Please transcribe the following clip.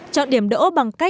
chọn điểm đỗ bằng tài khoản